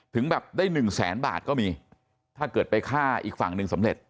ถึงแบบได้หนึ่งแสนบาทก็มีถ้าเกิดไปฆ่าอีกฝั่งหนึ่งสำเร็จ